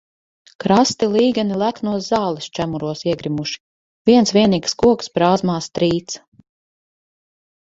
Krasti līgani leknos zāles čemuros iegrimuši, viens vienīgs koks brāzmās trīc.